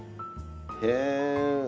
へえ。